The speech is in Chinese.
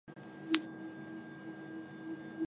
车站色调为米黄色。